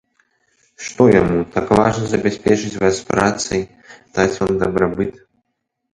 Што яму, так важна забяспечыць вас працай, даць вам дабрабыт?